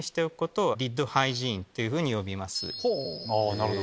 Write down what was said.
なるほど。